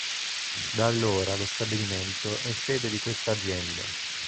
Da allora lo stabilimento è sede di quest'azienda.